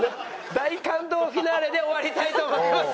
大感動フィナーレで終わりたいと思います。